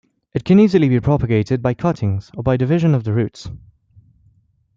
It can easily be propagated by cuttings, or by division of the roots.